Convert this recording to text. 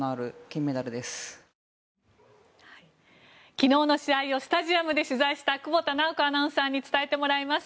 昨日の試合をスタジアムで取材した久保田直子アナウンサーに伝えてもらいます。